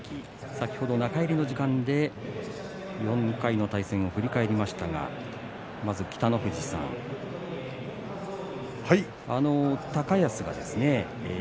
先ほど中入りの時間に４回の対戦を振り返りましたが北の富士さん、高安がですね